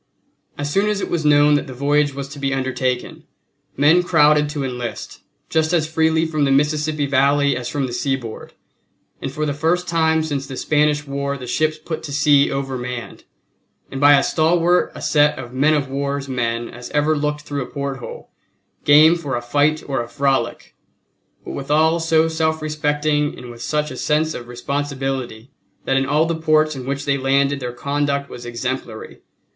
As soon as it was known that the voyage was to be undertaken men crowded to enlist, just as freely from the Mississippi Valley as from the seaboard, and for the first time since the Spanish War the ships put to sea overmanned and by as stalwart a set of men of war's men as ever looked through a porthole, game for a fight or a frolic, but withal so self respecting and with such a sense of responsibility that in all the ports in which they landed their conduct was exemplary.